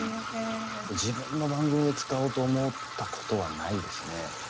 自分の番組で使おうと思った事はないですね。